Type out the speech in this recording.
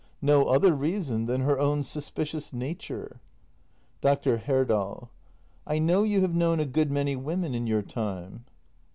No other reason than her own suspicious nature. Dr. Herdal. I know you have known a good many women in your time.